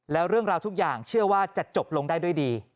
แล้วเรื่องราวทุกอย่างเชื่อว่าจะจบลงได้ด้วยดี